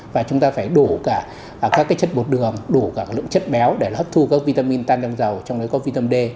và chúng ta phải đủ cả các chất bột đường đủ cả lượng chất béo để nó hấp thu các vitamin tăng đậm dầu trong đó có vitamin d